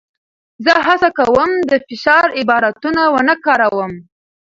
زه هڅه کوم د فشار عبارتونه ونه کاروم.